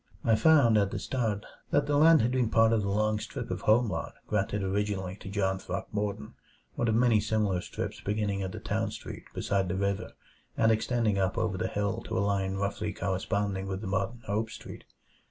I found, at the start, that the land had been part of the long strip of home lot granted originally to John Throckmorton; one of many similar strips beginning at the Town Street beside the river and extending up over the hill to a line roughly corresponding with the modern Hope Street.